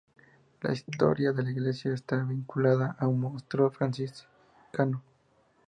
La historia de la iglesia está vinculada a un monasterio franciscano.